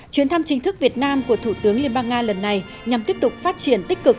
chuyến thăm chính thức việt nam của thủ tướng liên bang nga lần này nhằm tiếp tục phát triển tích cực